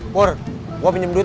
bang kopinya nanti aja ya